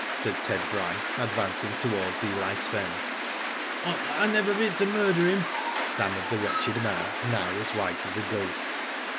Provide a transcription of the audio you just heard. said Ted Bryce, advancing towards EH Spence. "I never meant to murder him," stammered the wretched man, now as white as a ghost.